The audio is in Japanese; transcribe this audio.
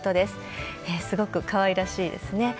すごくかわいらしいですね。